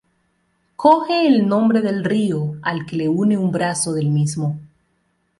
Coge el nombre del río, al que le une un brazo del mismo.